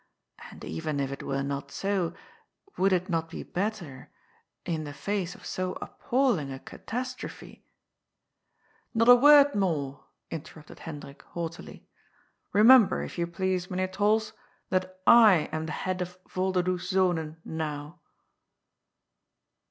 And even if it were not so, would it not be better, in the face of so appalling a catastrophe " "Not a word more," interrupted Hendrik haughtily. " Bemember, if you please. Mynheer Trols, that I am the head of * Volderdoes Zonen ' now."